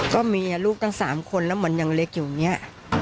ก็มีอ่ะลูกตั้ง๓คนแล้วเหมือนยังเล็กอยู่เนี่ย